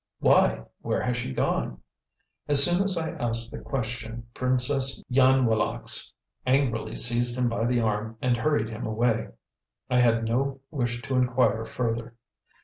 "Why! where has she gone?" As soon as I asked the question, Princess Ying Yonwalacks angrily seized him by the arm and hurried him away. I had no wish to inquire further.